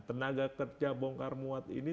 tenaga kerja bongkar muat ini